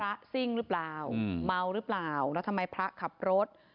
ซิ่งหรือเปล่าเมาหรือเปล่าแล้วทำไมพระขับรถ